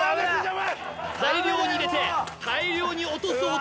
大量に入れて大量に落とす男